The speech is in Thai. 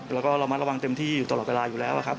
เราก็ละวังเต็มที่ตลอดเวลาอยู่แล้วครับ